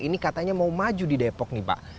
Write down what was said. ini katanya mau maju di depok nih pak